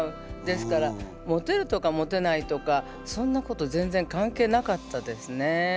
ですからモテるとかモテないとかそんなこと全然関係なかったですね。